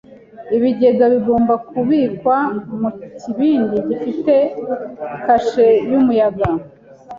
Ibigega bigomba kubikwa mu kibindi gifite kashe yumuyaga.